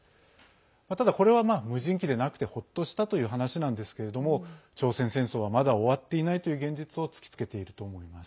ただ、これは無人機でなくてホッとしたという話なんですけれども朝鮮戦争はまだ終わっていないという現実を突きつけていると思います。